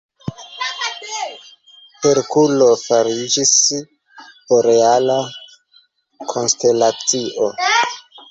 Herkulo fariĝis boreala konstelacio.